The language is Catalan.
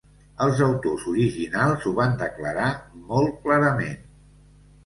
Els autors originals ho van declarar molt clarament.